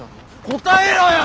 答えろよ！